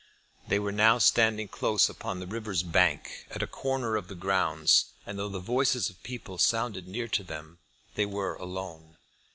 They were now standing close upon the river's bank, at a corner of the grounds, and, though the voices of people sounded near to them, they were alone.